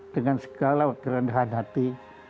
dengan segala kerendahan hati